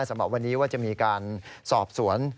สำหรับวันนี้ว่าจะมีการสอบสวน